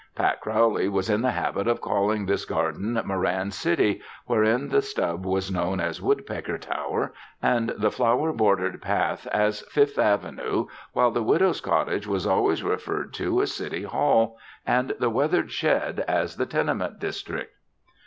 Pat Crowley was in the habit of calling this garden "Moran City," wherein the stub was known as Woodpecker Tower and the flower bordered path as Fifth Avenue while the widow's cottage was always referred to as City Hall and the weathered shed as the tenement district.